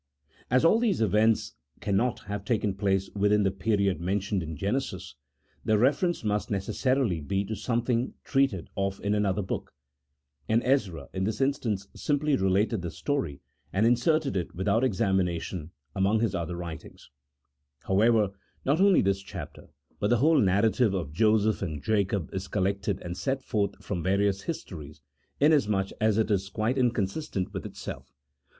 As all these events 1 See Note 12. a See Note 13. CHAP. IS.] THE LAST REVISER OF HISTORIC BOOKS. 135 cannot have taken place within the period mentioned in Genesis, the reference nmst necessarily be to something treated of in another book: and Ezra in this instance simply related the story, and inserted it without examina tion among his other writings, However, not only this chapter but the whole narrative of Joseph and Jacob is collected and set forth from various histories, inasmuch as it is quite inconsistent with itself.